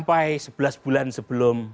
jadi sampai sebelas bulan sebelum